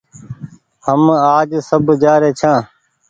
هم آج سب جآري ڇآن